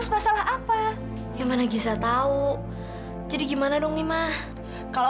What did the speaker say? sebelum pulang kita minum dulu ya